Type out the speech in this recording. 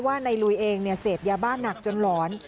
นายลุยเองเสพยาบ้านหนักจนหลอน